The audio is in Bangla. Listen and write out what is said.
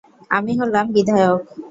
আমি হলাম বিধায়ক।